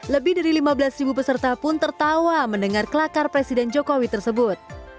lebih dari lima belas peserta pun tertawa mendengar kelakar presiden jokowi tersebut